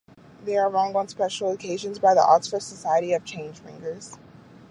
They are rung on special occasions by the Oxford Society of Change Ringers.